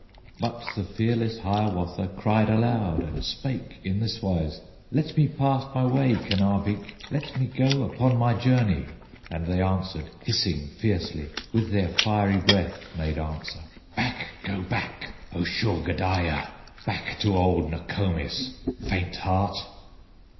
But the fearless Hiawatha Cried aloud, and spake in this wise, "Let me pass my way, Kenabeek, Let me go upon my journey!" And they answered, hissing fiercely, With their fiery breath made answer: "Back, go back! O Shaugodaya! Back to old Nokomis, Faint heart!"